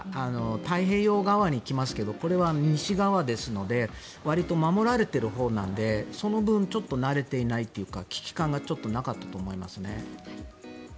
太平洋側に来ますけどこれは西側ですのでわりと守られているほうなのでその分ちょっと慣れていないというか危機感がちょっとなかったと思いますね。